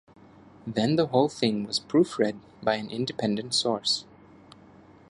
Then the whole thing was proofread by an independent source.